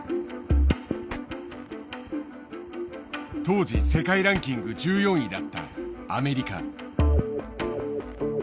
当時世界ランキング１４位だったアメリカ。